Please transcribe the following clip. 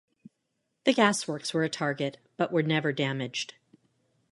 The gas works were a target, but were never damaged.